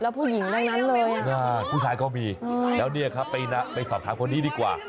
แล้วผู้หญิงได้อย่างนั้นเลยคุณทางก็มีแล้วนี่ครับไปสอบถามคนนี้ดีกว่า